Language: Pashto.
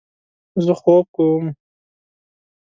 زه خوب کوم